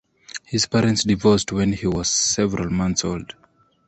His parents divorced when he was several months old.